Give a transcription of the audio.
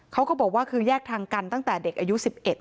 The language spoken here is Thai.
เขาก็บอกว่าคือแยกทางกันตั้งแต่เด็กอายุ๑๑